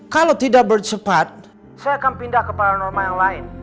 kalau tidak bersepat saya akan pindah ke paranormal yang lain